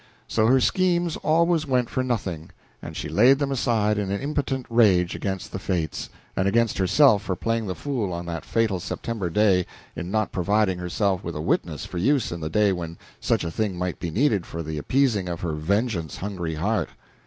So her schemes always went for nothing, and she laid them aside in impotent rage against the fates, and against herself for playing the fool on that fatal September day in not providing herself with a witness for use in the day when such a thing might be needed for the appeasing of her vengeance hungry heart.